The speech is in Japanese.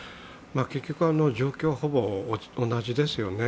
結局、状況はほぼ同じですよね。